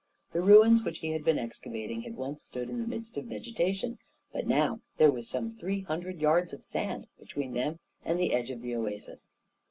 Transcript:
The ruins which he had been excavating had once stood in the midst of vegetation, but now there was some three hundred yards of sand between them and the edge of the oasis.